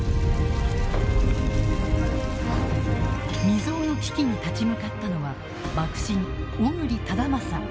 未曽有の危機に立ち向かったのは幕臣小栗忠順。